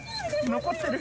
残ってる。